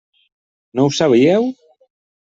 No ho sabíeu?